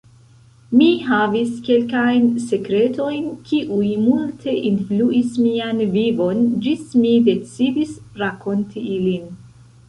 Mi havis kelkajn sekretojn kiuj multe influis mian vivon, ĝis mi decidis rakonti ilin.